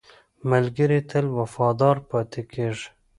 ملګری تل وفادار پاتې کېږي